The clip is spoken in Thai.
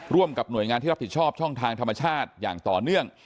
ร่วมกับหน่วยงานที่รับผิดชอบช่องทางธรรมชาติอย่างต่อเนื่อง